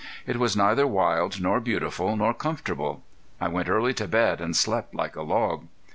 It was neither wild nor beautiful nor comfortable. I went early to bed and slept like a log.